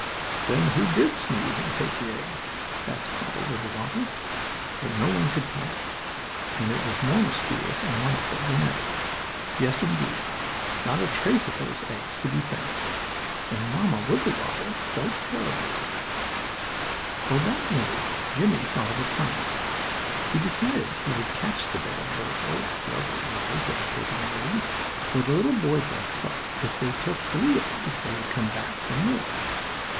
"Then who did sneeze and take the eggs?" asked Papa Wibblewobble. But no one could tell him, and it was more mysterious and wonderful than ever, yes indeed. Not a trace of those eggs could be found, and Mamma Wibblewobble felt terribly. Well, that night Jimmie thought of a plan. He decided he would catch the bad burglar, or whoever it was that had taken the eggs, for the little boy duck thought if they took three eggs they would come back for more.